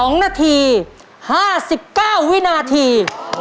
๒นาที๕๙วินาที